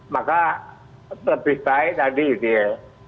maka lebih baik tadi gitu ya